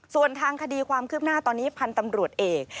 ส่วนทางคดีความคืบหน้าตอนนี้พันธ์ตำรวจเอก